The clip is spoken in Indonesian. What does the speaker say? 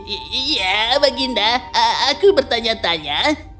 iya baginda aku bertanya tanya